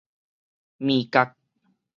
鋩角